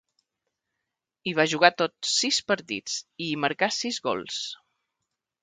Hi va jugar tots sis partits, i hi marcà sis gols.